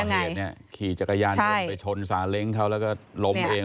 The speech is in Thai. เป็นไงคนก่อนเห็นเนี่ยขี่จักรยานไปชนสาเล้งเขาแล้วก็ล้มเอง